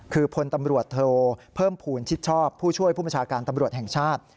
คือพลตำรวจโทเพิ่มภูมิชิดชอบผู้ช่วยผู้บัญชาการตำรวจแห่งชาติ